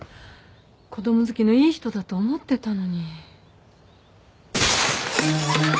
子供好きのいい人だと思ってたのに。